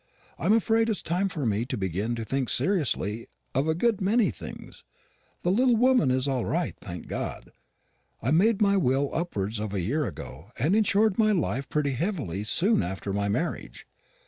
I'm afraid it's time for me to begin to think seriously of a good many things. The little woman is all right, thank God. I made my will upwards of a year ago, and insured my life pretty heavily soon after my marriage.